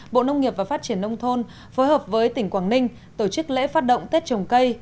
bộ nông nghiệp và phát triển nông thôn phối hợp với tỉnh quảng ninh tổ chức lễ phát động tết trồng cây